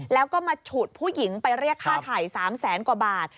แล้วก็มาฉุดผู้หญิงไปเรียกค่าไถ่๓แสนกว่าบาท